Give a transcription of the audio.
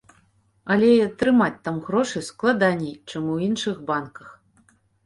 Але і атрымаць там грошы складаней, чым у іншых банках.